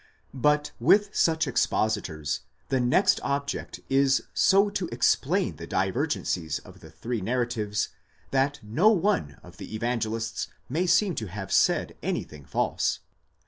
But with such expositors the next object is so to explain the divergencies of the three narratives, that no one of the Evangelists may seem to have said anything false.